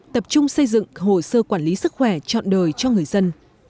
tập trung xây dựng hồ sơ quản lý sức khỏe trọn đời cho người dân